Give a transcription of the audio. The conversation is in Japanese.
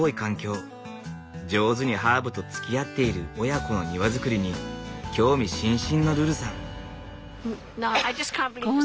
上手にハーブとつきあっている親子の庭造りに興味津々のルルさん。